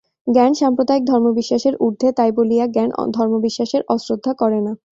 জ্ঞান সাম্প্রদায়িক ধর্মবিশ্বাসের ঊর্ধ্বে, তাই বলিয়া জ্ঞান ধর্মবিশ্বাসের অশ্রদ্ধা করে না।